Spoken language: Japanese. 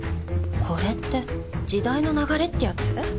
これって時代の流れってやつ？